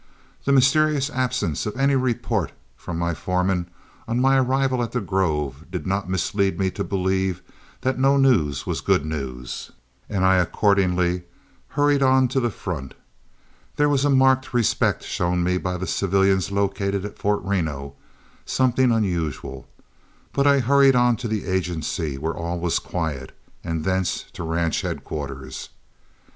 The mysterious absence of any report from my foreman on my arrival at the Grove did not mislead me to believe that no news was good news, and I accordingly hurried on to the front. There was a marked respect shown me by the civilians located at Fort Reno, something unusual; but I hurried on to the agency, where all was quiet, and thence to ranch headquarters.